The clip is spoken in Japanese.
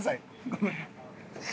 ごめん。